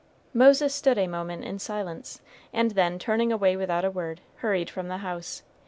Moses stood a moment in silence, and then, turning away without a word, hurried from the house.